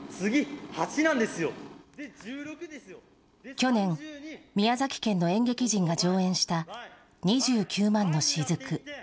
去年、宮崎県の演劇人が上演した２９万の雫。